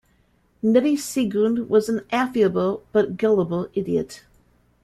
Neddie Seagoon was an affable but gullible idiot.